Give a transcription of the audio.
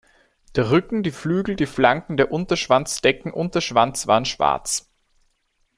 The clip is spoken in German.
Der Rücken, die Flügel, die Flanken, die Unterschwanzdecken und der Schwanz waren schwarz.